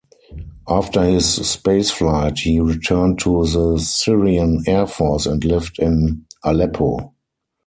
After his spaceflight, he returned to the Syrian Air Force and lived in Aleppo.